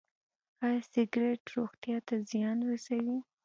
ایا سګرټ روغتیا ته زیان رسوي؟